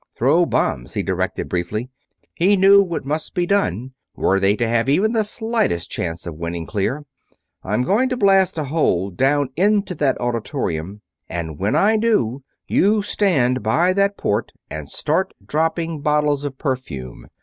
"Throw bombs," he directed, briefly. He knew what must be done were they to have even the slightest chance of winning clear. "I'm going to blast a hole down into that auditorium, and when I do you stand by that port and start dropping bottles of perfume.